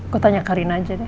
gue tanya karin aja deh